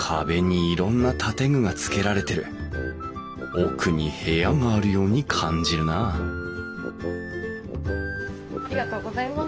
奥に部屋があるように感じるなあありがとうございます。